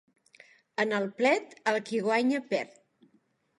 En el plet, el qui guanya perd.